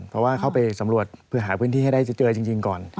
เพราะว่าเข้าไปสำรวจเพื่อหาพื้นที่ให้ได้เจอจริงก่อน